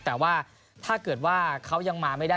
แต่ว่าถ้าเกิดว่าเขายังมาไม่ได้